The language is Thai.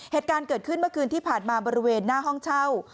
เหตุการณ์เกิดขึ้นเมื่อคืนที่ผ่านมาบริเวณหน้าห้องเช่า